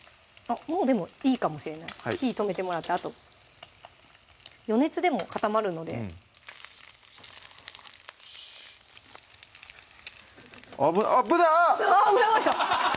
もうでもいいかもしれない火止めてもらってあと余熱でも固まるのでよし危なっあっ！